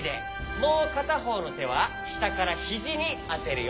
もうかたほうのてはしたからひじにあてるよ。